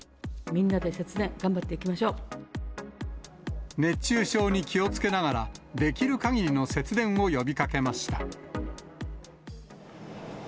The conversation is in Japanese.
みんなで節電、頑張っていきまし熱中症に気をつけながら、できるかぎりの節電を呼びかけました。